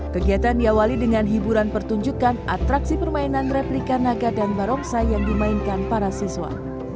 kegiatan diawali dengan hiburan pertunjukan atraksi permainan replika naga dan barongsai yang dimainkan para siswa